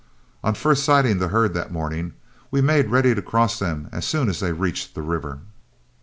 On first sighting the herd that morning, we made ready to cross them as soon as they reached the river.